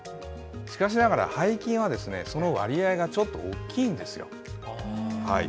しかしながら、背筋はその割合がちょっと大きいんです。